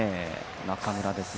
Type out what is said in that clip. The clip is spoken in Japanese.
中村ですが。